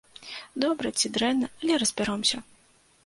Добра ці дрэнна, але разбяромся!